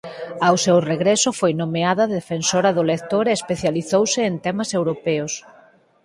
Ao seu regreso foi nomeada Defensora do Lector e especializouse en temas europeos.